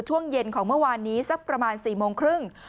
ช่วงเย็นของเมื่อวานนี้สักประมาณ๔โมงครึ่ง